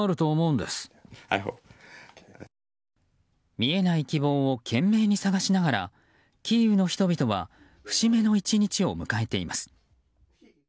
見えない希望を懸命に探しながらキーウの人々は節目の１日を迎えています。